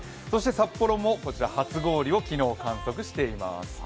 札幌もこちら初氷を観測しています。